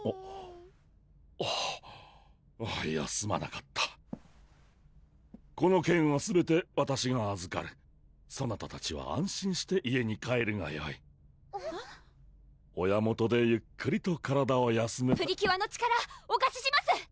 あっいやすまなかったこの件はすべてわたしがあずかるそなたたちは安心して家に帰るがよい親元でゆっくりと体を休めプリキュアの力おかしします！